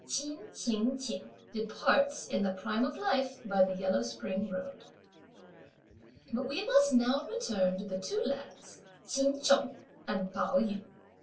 Ch'in Ching ch'ing departs, in the prime of life, by the yellow spring road. But we must now return to the two lads, Ch'in Chung and Pao yü.